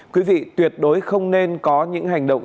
quý vị tuyệt đối không nên có những hành động